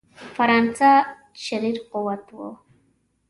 فرانسه شریر قوت وو.